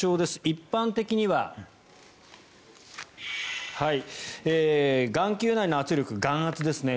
一般的には眼球内の圧力眼圧ですね。